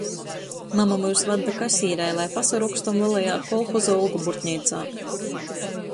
Mama myus vad da kasīrei, lai pasarokstom lelajā kolhoza olgu burtneicā.